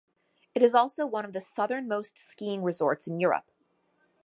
It is also one of the southernmost skiing resorts in Europe.